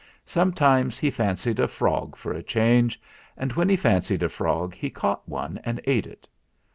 Sometimes he fancied a frog for a change, and when he fancied a frog he caught one and ate it.